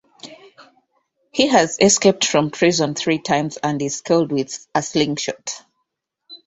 He has escaped from prison three times and is skilled with a slingshot.